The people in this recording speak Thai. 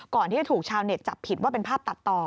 ก่อนที่จะถูกชาวเน็ตจับผิดว่าเป็นภาพตัดต่อ